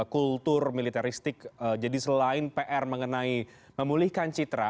kultur militeristik jadi selain pr mengenai memulihkan citra